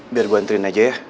biar gue anterin aja ya